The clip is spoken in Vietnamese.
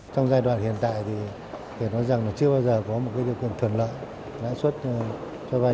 trong giai đoạn hiện tại thì phải nói rằng là chưa bao giờ có một điều kiện thuận lợi lãi suất cho vay